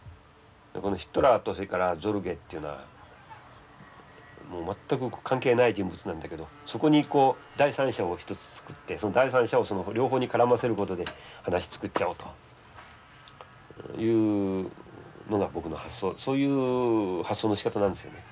ヒトラーとそれからゾルゲっていうのは全く関係ない人物なんだけどそこに第三者を１つ作って第三者を両方に絡ませることで話を作っちゃおうというのが僕の発想そういう発想のしかたなんですよね。